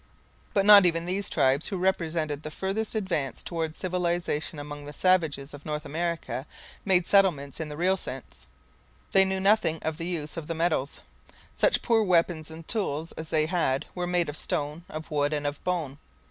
But not even these tribes, who represented the furthest advance towards civilization among the savages of North America, made settlements in the real sense. They knew nothing of the use of the metals. Such poor weapons and tools as they had were made of stone, of wood, and of bone.